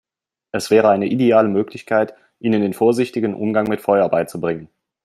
Es wäre eine ideale Möglichkeit, ihnen den vorsichtigen Umgang mit Feuer beizubringen.